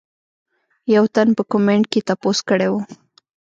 يو تن پۀ کمنټ کښې تپوس کړے وۀ